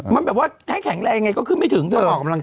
มันแบบว่าให้แข็งแรงยังไงก็ขึ้นไม่ถึงเถอะ